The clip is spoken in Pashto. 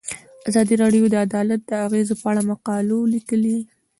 ازادي راډیو د عدالت د اغیزو په اړه مقالو لیکلي.